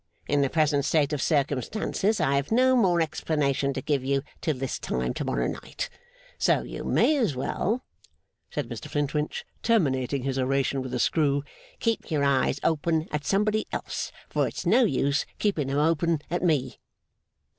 In the present state of circumstances, I have no more explanation to give you till this time to morrow night. So you may as well,' said Mr Flintwinch, terminating his oration with a screw, 'keep your eyes open at somebody else, for it's no use keeping 'em open at me.